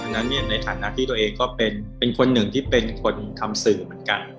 นั้นในฐานะที่ตัวเองก็เป็นคนหนึ่งที่เป็นคนทำสื่อเหมือนกัน